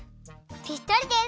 ぴったりです！